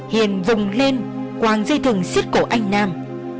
hiền vùng lên quàng dây thừng xích cổ anh nam